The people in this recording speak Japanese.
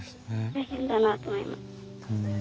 大変だなと思います。